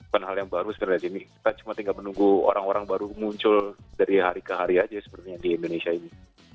bukan hal yang baru sebenarnya gini kita cuma tinggal menunggu orang orang baru muncul dari hari ke hari aja sebenarnya di indonesia ini